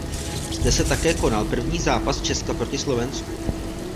Zde se také konal první zápas Česka proti Slovensku.